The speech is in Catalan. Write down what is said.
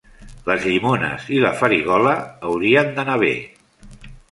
Les llimones i la farigola haurien d'anar bé.